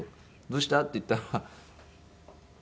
「どうした？」って言ったら。